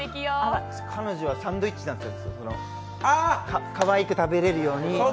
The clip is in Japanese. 彼女はサンドイッチだったんですけど、かわいく食べれるように。